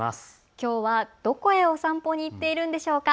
きょうはどこへお散歩に行っているんでしょうか。